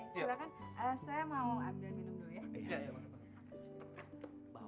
silahkan saya mau ambil minum dulu ya